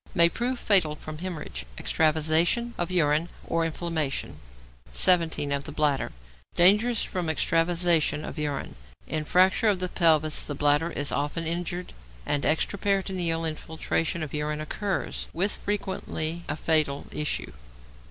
= May prove fatal from hæmorrhage, extravasation of urine, or inflammation. 17. =Of the Bladder.= Dangerous from extravasation of urine. In fracture of the pelvis the bladder is often injured, and extraperitoneal infiltration of urine occurs, with frequently a fatal issue.